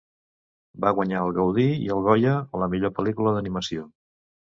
Va guanyar el Gaudí i el Goya a la millor pel·lícula d'animació.